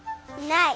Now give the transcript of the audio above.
ない。